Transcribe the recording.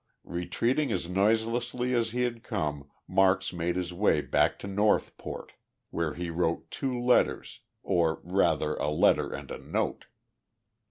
Retreating as noiselessly as he had come, Marks made his way back to Northport, where he wrote two letters or, rather, a letter and a note.